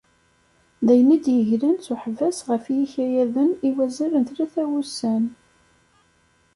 Dayen i d-yeglan s uḥbas ɣef yikayaden i wazal n tlata wussan.